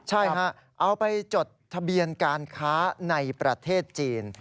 ใช่ฮะเอาไปจดทะเบียนการค้าในประเทศจีน